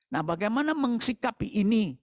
nah bagaimana mengsikapi ini